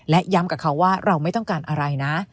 และย้ำกับเขาว่าเราไม่ต้องการอะไรนะ